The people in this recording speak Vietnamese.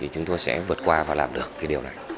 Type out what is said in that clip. chúng tôi sẽ vượt qua